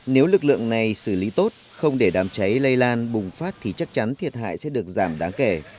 nếu lực lượng này xử lý tốt không để đám cháy lây lan bùng phát thì chắc chắn thiệt hại sẽ được giảm đáng kể